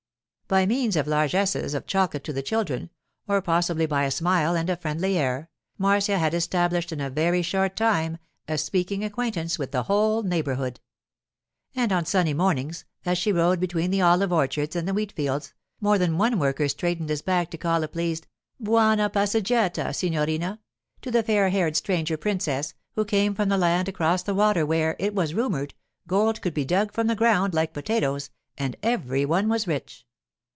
By means of largesses of chocolate to the children, or possibly by a smile and a friendly air, Marcia had established in a very short time a speaking acquaintance with the whole neighbourhood. And on sunny mornings, as she rode between the olive orchards and the wheat fields, more than one worker straightened his back to call a pleased 'Buona passeggiata, signorina,' to the fair haired stranger princess, who came from the land across the water where, it was rumoured, gold could be dug from the ground like potatoes and every one was rich.